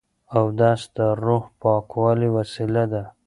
اودس د روح د پاکوالي وسیله ده.